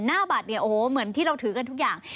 หน้าบัตรเนี่ยโอ้โหเหมือนที่เราถือกันทุกอย่าง